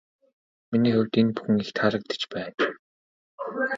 Миний хувьд энэ бүхэн их таалагдаж байна.